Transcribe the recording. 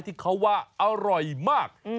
ที่เขาว่าอร่อยมาก